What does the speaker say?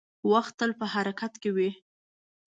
• وخت تل په حرکت کې وي.